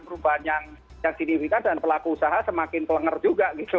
tidak akan mengalami perubahan yang signifikan dan pelaku usaha semakin pelenggar juga gitu